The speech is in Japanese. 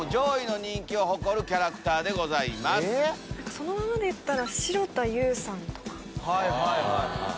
そのままで行ったら。